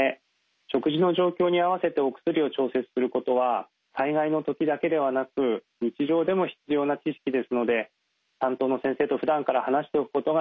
食事の状況に合わせてお薬を調節することは災害の時だけではなく日常でも必要な知識ですので担当の先生とふだんから話しておくことが重要です。